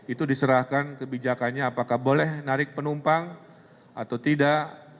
itu diserahkan kebijakannya apakah boleh narik penumpang atau tidak